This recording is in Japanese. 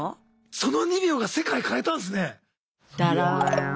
その２秒が世界変えたんですね。